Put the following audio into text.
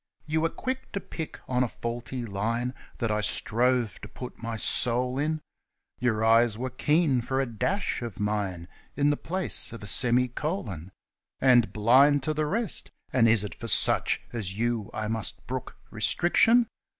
You were quick to pick on a faulty line That I strove to put my soul in : Your eyes were keen for a ' dash ' of mine In the place of a semi colon And blind to the rest. And is it for such As you I must brook restriction